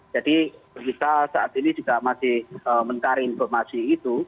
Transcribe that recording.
jadi kita saat ini juga masih mencari informasi itu